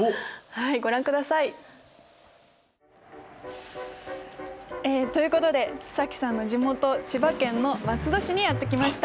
ご覧ください。ということで須さんの地元千葉県の松戸市にやって来ました。